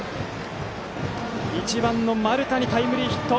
１番、丸田にタイムリーヒット！